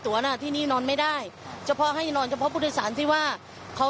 น่ะที่นี่นอนไม่ได้เฉพาะให้นอนเฉพาะผู้โดยสารที่ว่าเขา